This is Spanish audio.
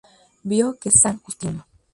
Vio que San Justino.